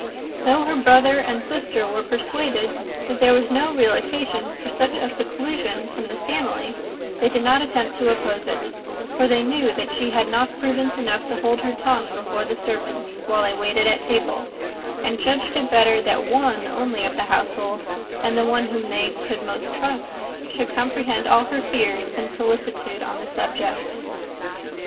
Though her brother and sister were persuaded that there was no real occasion for such a seclusion from the family, they did not attempt to oppose it; for they knew that she had not prudence enough to hold her tongue before the servants, while they waited at table, and judged it better that one only of the household, and the one whom they could most trust, should comprehend all her fears and solicitude on the subject.